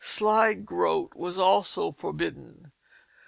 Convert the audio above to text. Slide groat was also forbidden.